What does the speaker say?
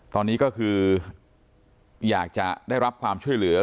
ตอนนี้ก็คืออยากจะได้รับความช่วยเหลือ